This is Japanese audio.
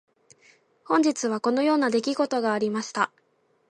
本日はこのような出来事がありました。